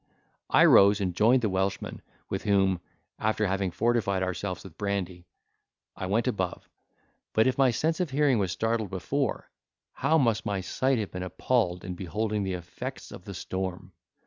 I rose and joined the Welshman, with whom (after having fortified ourselves with brandy) I went above; but if my sense of hearing was startled before, how must my sight have been apalled in beholding the effects of the storm!